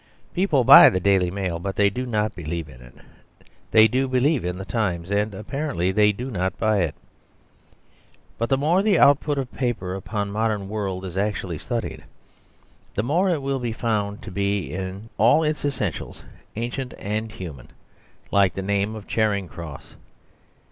People buy the DAILY MAIL, but they do not believe in it. They do believe in the TIMES, and (apparently) they do not buy it. But the more the output of paper upon the modern world is actually studied, the more it will be found to be in all its essentials ancient and human, like the name of Charing Cross.